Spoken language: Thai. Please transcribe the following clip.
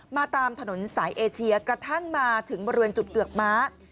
ตามถนนสายเอเชียกระทั่งมาถึงบริเวณจุดเกือกม้า